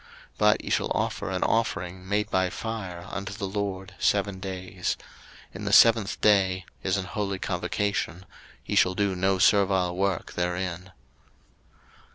03:023:008 But ye shall offer an offering made by fire unto the LORD seven days: in the seventh day is an holy convocation: ye shall do no servile work therein.